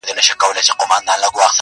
نور یې هېر سو چل د ځان د مړولو -